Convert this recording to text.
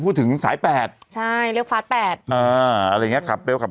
สายแปดใช่เรียกฟาสแปดอ่าอะไรอย่างเงี้ขับเร็วขับ